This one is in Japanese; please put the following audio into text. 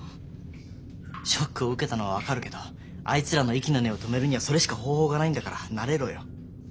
ショックを受けたのは分かるけどあいつらの息の根を止めるにはそれしか方法がないんだから慣れろよ。